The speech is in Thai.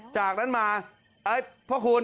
จากด้านนี้มาไอ้พระคุณ